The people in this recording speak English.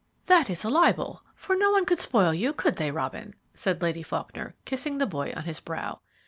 "That is a libel, for no one could spoil you, could they, Robin?" said Lady Faulkner, kissing the boy on his brow.